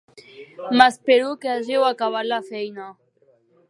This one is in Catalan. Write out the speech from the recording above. M'espero que hàgiu acabat la feina.